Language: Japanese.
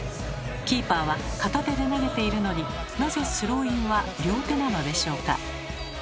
キーパーは片手で投げているのになぜスローインは両手なのでしょうか？